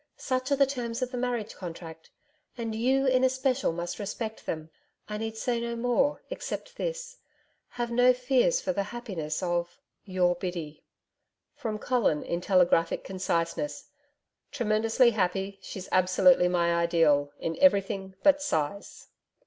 Such are the terms of the marriage contract: and you in especial must respect them. I need say no more, except this: Have no fears for the happiness of Your BIDDY.' From Colin in telegraphic conciseness: 'Tremendously happy. She's absolutely my Ideal in everything but size.'